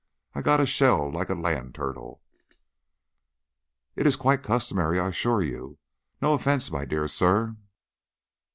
I got a shell like a land turtle." "It is quite customary, I assure you. No offense, my dear sir."